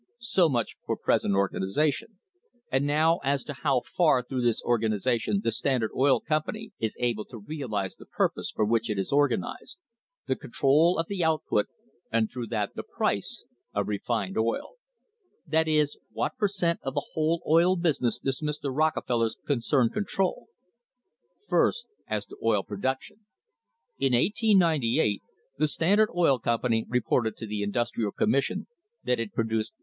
So much for present organisation, and now as to how far through this organisation the Standard Oil Company is able to realise the purpose for which it was organised the control of the output, and, through that, the price, of refined oil. That is, what per cent, of the whole oil business does Mr. THE HISTORY OF THE STANDARD OIL COMPANY Rockefeller's concern control. First as to oil production. In 1898 the Standard Oil Company reported to the Industrial Commission that it produced 35.